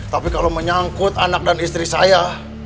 tapi kalau menyangkut anak dan istri saya